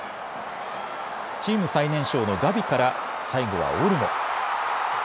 チーム最年少のガビから最後はオルモ。